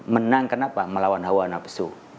menang kenapa melawan hawa napsu